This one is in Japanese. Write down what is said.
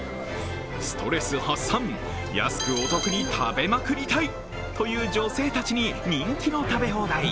ストレス発散、安くお得に食べまくりたいという女性たちに人気の食べ放題。